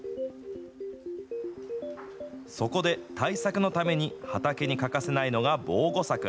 そこで、対策のために畑に欠かせないのが防護柵。